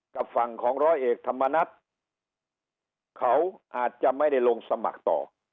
กับฝั่งของร้อยเอกธรรมนัฐเขาอาจจะไม่ได้ลงสมัครต่อ